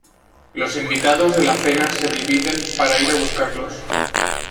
Los invitados de la cena se dividen para ir a buscarlos.